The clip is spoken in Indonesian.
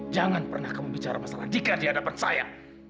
jangan pernah kamu bicara masalah jika di hadapan saya